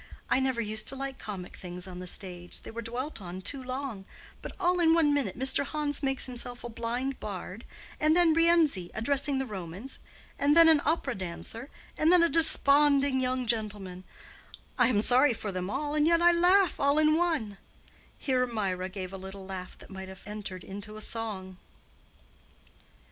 I used never to like comic things on the stage—they were dwelt on too long; but all in one minute Mr. Hans makes himself a blind bard, and then Rienzi addressing the Romans, and then an opera dancer, and then a desponding young gentleman—I am sorry for them all, and yet I laugh, all in one"—here Mirah gave a little laugh that might have entered into a song.